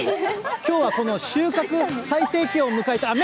きょうはこの収穫最盛期を迎えた芽！